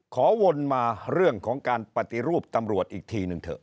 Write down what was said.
วนมาเรื่องของการปฏิรูปตำรวจอีกทีหนึ่งเถอะ